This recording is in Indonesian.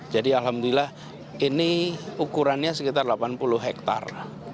jadi alhamdulillah ini ukurannya sekitar delapan puluh hektar